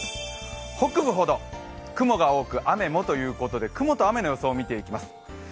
北部ほど雲が多く雨もということで、雲と雨の予想を見ていきます。